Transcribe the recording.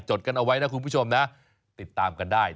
จดกันเอาไว้นะคุณผู้ชมนะติดตามกันได้